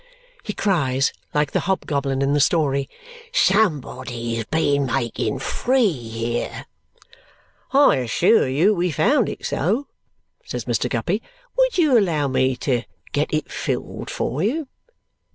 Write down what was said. he cries like the hobgoblin in the story. "Somebody's been making free here!" "I assure you we found it so," says Mr. Guppy. "Would you allow me to get it filled for you?"